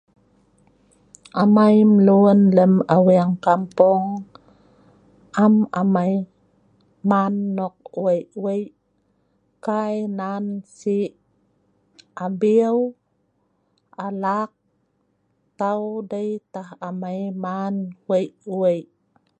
amai mlun lem aweng kampung am amei man nok weik weik kai nan sik abiu alak tau dei tah amai man weik weik